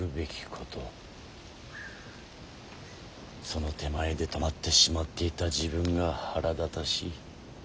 その手前で止まってしまっていた自分が腹立たしい。